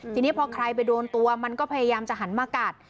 ทีนี้พอใครไปโดนตัวมันก็พยายามจะหันมากัด